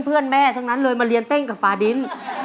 เพื่อนแม่ทั้งนั้นเลยมาเรียนเต้นกับฟาดิน